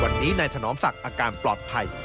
วันนี้นายถนอมศักดิ์อาการปลอดภัย